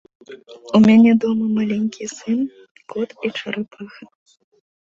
У мяне дома маленькі сын, кот і чарапаха.